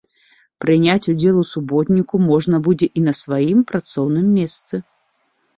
Прыняць удзел у суботніку можна будзе і на сваім працоўным месцы.